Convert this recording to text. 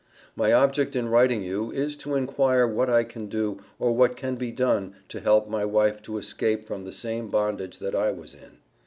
My object in writing you, is to inquire what I can do, or what can be done to help my wife to escape from the same bondage that I was in.